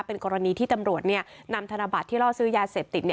เป็นกรณีที่ตำรวจนำธนบัตรที่ล่อซื้อยาเสพติด